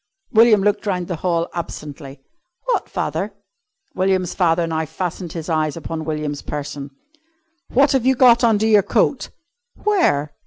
William looked round the hall absently. "What, father?" William's father now fastened his eyes upon William's person. "What have you got under your coat?" "Where?"